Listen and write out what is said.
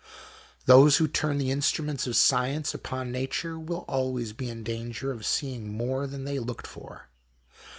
Those who turn the instruments of science upon nature will always be in danger of seeing more than they looked for.